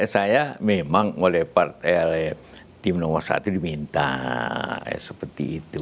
saya memang oleh tim nomor satu diminta seperti itu